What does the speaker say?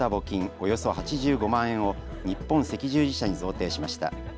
およそ８５万円を日本赤十字社に贈呈しました。